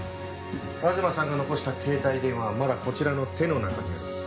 東さんが残した携帯電話はまだこちらの手の中にある。